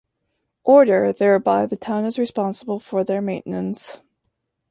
Order, thereby the town is responsible for their maintenance.